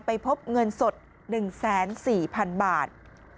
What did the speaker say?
ไปพบเงินสด๑แสน๔พันบาท